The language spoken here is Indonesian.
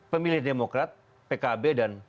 pemilih demokrat pkb dan